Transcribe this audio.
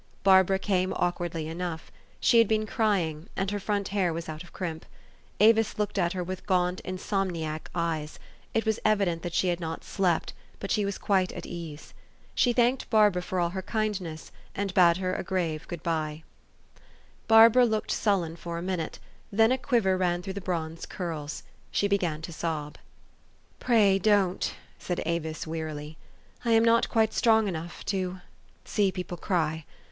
Barbara came awkwardly enough. She had been crying, and her front hair was out of crimp. Avis looked at her with gaunt, insomniac eyes : it was evident that she had not slept, but she was quite at ease. She thanked Bar bara for all her kindness, and bade her a grave good by. Barbara looked sullen for a minute ; then a quiver ran through the bronze curls. She began to sob. u Pray don't," said Avis wearily. " I am not quite strong enough to see people cry.